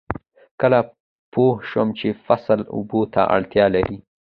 کله پوه شم چې فصل اوبو ته اړتیا لري؟